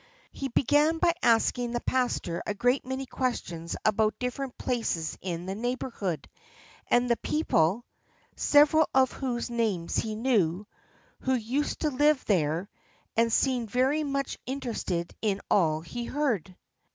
He began by asking the pastor a great many questions about different places in the neighbourhood, and the people (several of whose names he knew) who used to live there; and seemed very much interested in all he heard.